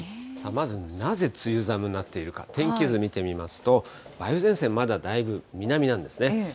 まずなぜ梅雨寒になっているか、天気図見てみますと、梅雨前線、まだだいぶ南なんですね。